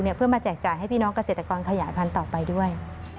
เนี่ยเพื่อมาแจกจ่ายเซ็ตะกรขยายพันธุ์ต่อไปด้วย